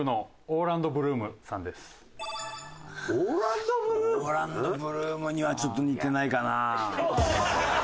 オーランド・ブルームにはちょっと似てないかな。